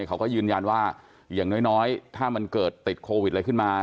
เขาก็ยืนยันว่าอย่างน้อยถ้ามันเกิดติดโควิดอะไรขึ้นมา